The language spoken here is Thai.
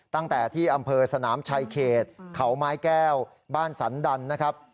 ตั้งแต่ที่อำเภอสนามชายเขตเขาไม้แก้วบ้านสันดันนะครับ